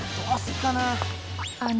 あの。